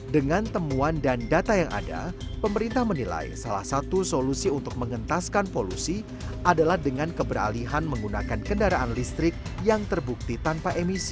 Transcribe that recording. dengan temuan dan data yang ada pemerintah menilai salah satu solusi untuk mengentaskan polusi adalah dengan keberalihan menggunakan kendaraan listrik yang terbukti tanpa emisi